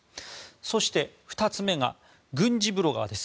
そして、２つ目が軍事ブロガーです。